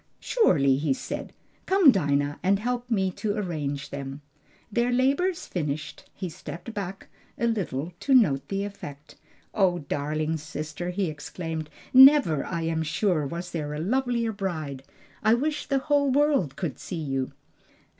"Surely," he said. "Come, Dinah, and help me to arrange them." Their labors finished, he stepped back a little to note the effect. "O darling sister," he exclaimed, "never, I am sure, was there a lovelier bride! I wish the whole world could see you!"